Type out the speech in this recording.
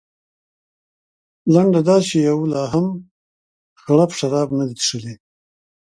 لنډه دا چې یوه لا هم یو غړپ شراب نه دي څښلي.